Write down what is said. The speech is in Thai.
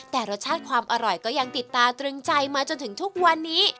แต่รสชาติความอร่อยก็ยังติดตาตรึงใจมาจนถึงทุกวันนี้